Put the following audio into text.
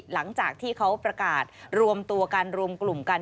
หลังจากที่เขาประกาศรวมตัวกันรวมกลุ่มกัน